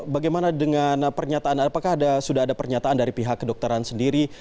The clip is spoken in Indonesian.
bagaimana dengan pernyataan apakah sudah ada pernyataan dari pihak kedokteran sendiri